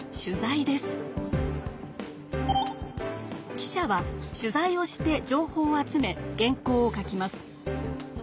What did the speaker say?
記者は取材をして情報を集め原こうを書きます。